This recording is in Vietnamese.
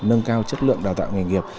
nâng cao chất lượng đào tạo nghề nghiệp